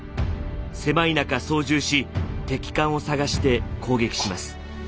狭い中操縦し敵艦を探して攻撃します。